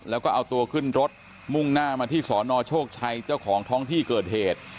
แล้วก็เอาตัวขึ้นรถมุ่งหน้ามาที่สนโชคชัยเจ้าของท้องที่เกิดเหตุ